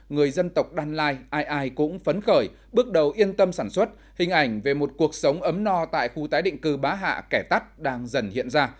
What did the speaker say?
người dân tộc đan lai ai ai cũng phấn khởi bước đầu yên tâm sản xuất hình ảnh về một cuộc sống ấm no tại khu tái định cư bá hạ kẻ tắt đang dần hiện ra